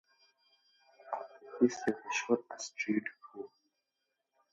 اپوفیس یو مشهور اسټروېډ دی.